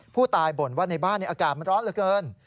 บ่นว่าในบ้านอากาศมันร้อนเหลือเกิน